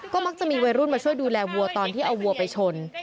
ก็มักจะมีวัยรุ่นมาช่วยดูแลวัวตอนที่เอาวัวไปชน